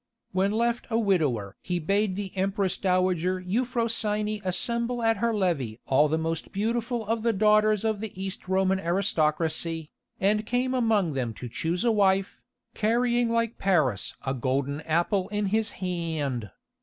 When left a widower he bade the Empress dowager Euphrosyne assemble at her levée all the most beautiful of the daughters of the East Roman aristocracy, and came among them to choose a wife, carrying like Paris a golden apple in his hand.